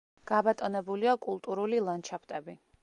გაბატონებულია კულტურული ლანდშაფტები.